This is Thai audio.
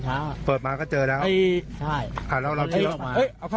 เช้าเปิดมาก็เจอแล้วเอ้ยใช่เอาเอาเอาเอาเอาเอาเอา